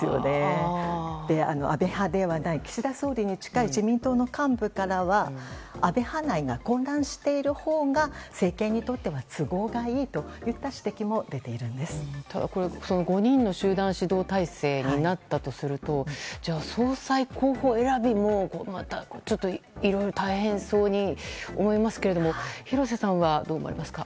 安倍派ではない岸田総理に近い自民党の幹部からは安倍派内が混乱しているほうが政権にとっては都合がいいといった指摘もただ、５人の集団指導体制になったとすると総裁候補選びもまたいろいろ大変そうに思いますが廣瀬さんはどう思いますか？